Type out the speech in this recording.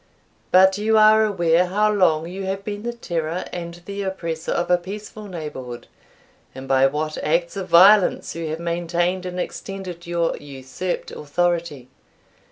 But you are aware how long you have been the terror and the oppressor of a peaceful neighbourhood, and by what acts of violence you have maintained and extended your usurped authority.